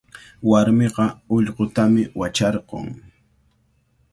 Warmiqa ullqutami wacharqun.